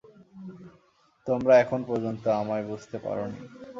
তোমরা এখন পর্যন্ত আমায় বুঝতে পারনি।